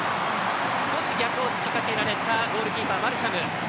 少し逆を突きかけられたゴールキーパーのバルシャム。